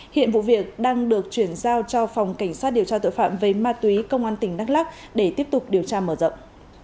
hiện vụ việc đang được chuyển giao cho phòng cảnh sát điều tra tội phạm về ma túy công an tỉnh đắk lắc để tiếp tục điều tra mở rộng